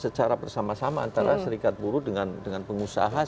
secara bersama sama antara serikat buruh dengan pengusaha